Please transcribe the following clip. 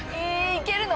いけるの？